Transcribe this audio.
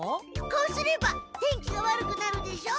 こうすれば天気が悪くなるでしょ？